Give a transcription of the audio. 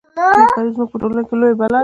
بې کاري زموږ په ټولنه کې لویه بلا ده